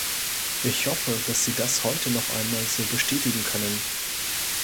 Ich hoffe, dass Sie das heute noch einmal so bestätigen können.